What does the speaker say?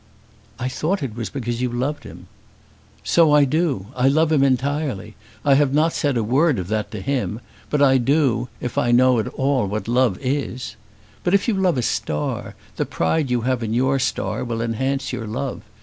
"I thought it was because you loved him." "So I do. I love him entirely. I have said not a word of that to him; but I do, if I know at all what love is. But if you love a star, the pride you have in your star will enhance your love.